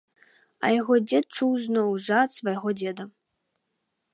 А яго дзед чуў зноў жа ад свайго дзеда.